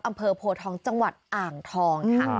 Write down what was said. อำเภอโพทองจังหวัดอ่างทองค่ะ